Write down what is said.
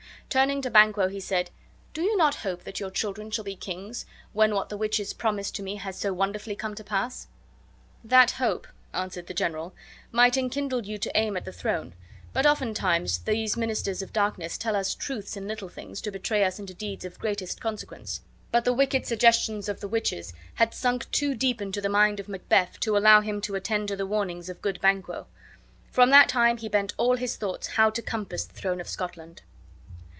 Turning to Banquo, he said, "Do you not hope that your children shall be kings, when what the witches promised to me has so wonderfully come to pass?" "That hope," answered the general, "might enkindle you to aim at the throne; but oftentimes these ministers of darkness tell us truths in little things, to betray us into deeds of greatest consequence." But the wicked suggestions of the witches had sunk too deep into the mind of Macbeth to allow him to attend to the warnings of the good Banquo. From that time he bent all his thoughts how to compass the throne of Scotland.